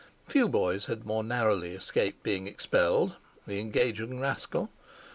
Few boys had more narrowly escaped being expelled—the engaging rascal.